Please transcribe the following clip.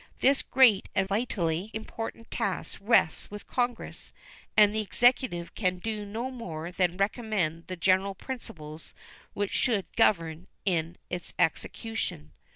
This great and vitally important task rests with Congress, and the Executive can do no more than recommend the general principles which should govern in its execution.